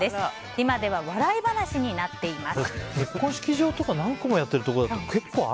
今では笑い話になっています。